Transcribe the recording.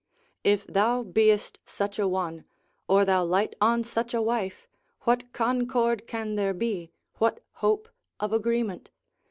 If thou beest such a one, or thou light on such a wife, what concord can there be, what hope of agreement?